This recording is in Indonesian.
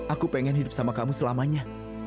aku pengen hidup sama kamu selamanya